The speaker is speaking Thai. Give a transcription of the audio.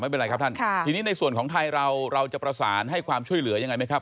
ไม่เป็นไรครับท่านทีนี้ในส่วนของไทยเราเราจะประสานให้ความช่วยเหลือยังไงไหมครับ